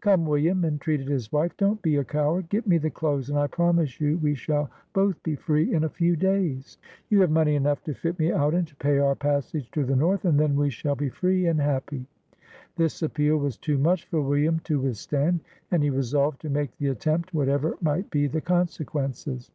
"Come, William," entreated his wife, "don't be a coward ! Get me the clothes, and I promise you we shall both be free in a few days. You have money enough to fit me out and to pay our passage to the North, and then we shall be free and happy." This appeal was too much for William to withstand, and he resolved to make the attempt, whatever might be the consequences.